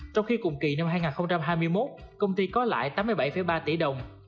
trong khi cùng kỳ năm hai nghìn hai mươi một công ty có lãi tám mươi bảy ba tỷ đồng